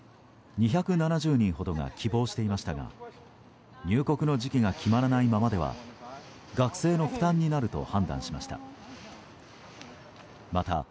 ２７０人ほどが希望していましたが入国の時期が決まらないままでは学生の負担になると判断しました。